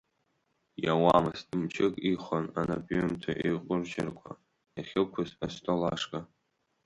Иауамызт, мчык ихон анапҩымҭа еиқәырчаҟәа иахьықәыз астол ашҟа.